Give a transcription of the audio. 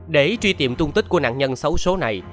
để truy tìm tung tích của nạn nhân xấu số này